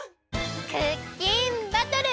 クッキンバトル！